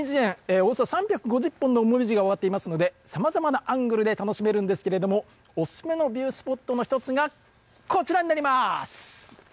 およそ３５０本のもみじが植わっていますのでさまざまなアングルで楽しめるんですけれどおすすめのビュースポットの１つがこちらになります。